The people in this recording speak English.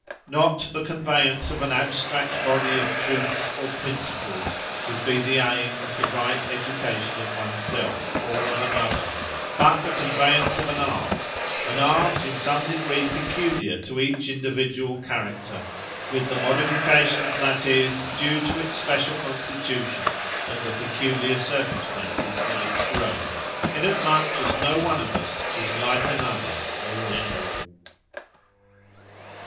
Not the conveyance of an abstract body of truths or principles, would be the aim of the right education of one's self, or of another, but the conveyance of an art—an art in some degree peculiar to each individual character; with the modifications, that is, due to its special constitution, and the peculiar circumstances of its growth, inasmuch as no one of us is "like another, all in all."